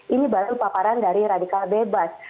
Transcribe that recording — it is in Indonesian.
ini baru paparan dari radikal bebas